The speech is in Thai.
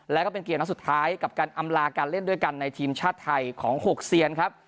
แล้วก็เป็นเกมนัดสุดท้ายกับการอำลาการเล่นด้วยกันในทีมชาติไทยของ๖เซียนครับ